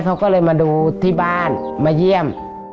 เขาก็เลยมาดูที่บ้านมาเยี่ยม